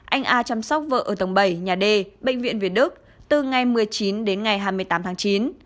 anh a chăm sóc vợ ở tầng bảy nhà d bệnh viện việt đức từ ngày một mươi chín đến ngày hai mươi tám tháng chín